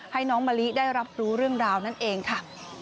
ให้น้องมะลิได้รับรู้เรื่องราวนั่นเองค่ะ